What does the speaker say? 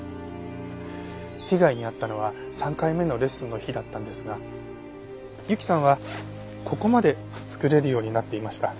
被害に遭ったのは３回目のレッスンの日だったんですが由紀さんはここまで作れるようになっていました。